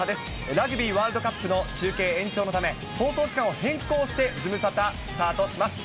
ラグビーワールドカップの中継延長のため、放送時間を変更して、ズムサタ、スタートします。